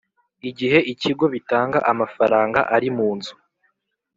Igihe ikigo bitanga amafaranga ari mu nzu